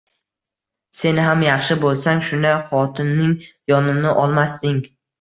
Sen ham yaxshi bo'lsang, shunday xotinning yonini olmasding.